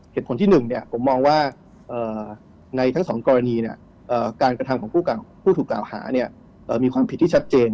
เหตุผลที่๑ผมมองว่าในทั้งสองกรณีการกระทำของผู้ถูกกล่าวหามีความผิดที่ชัดเจน